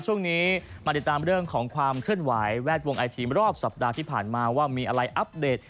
ช่วงนี้มาติดตามเรื่องของความเคลื่อนไหวแวดวงไอทีมรอบสัปดาห์ที่ผ่านมาว่ามีอะไรอัปเดต